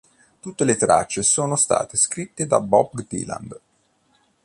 Tutte le tracce sono state scritte da Bob Dylan.